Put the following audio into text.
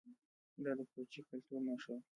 دا د کوچي کلتور نښه وه